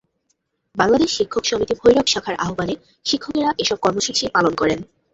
বাংলাদেশ শিক্ষক সমিতি ভৈরব শাখার আহ্বানে শিক্ষকেরা এসব কর্মসূচি পালন করেন।